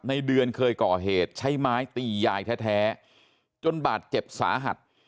ในเดือนเคยก่อเหตุใช้ไม้ตียายแท้จนบาดเจ็บสาหัส